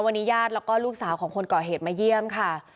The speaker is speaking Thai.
วันนี้ญาติแล้วก็ลูกสาวของคนก่อเหตุมาเยี่ยมค่ะ